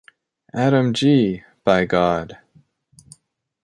Adam G., by God!